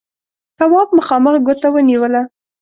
تواب مخامخ ګوته ونيوله: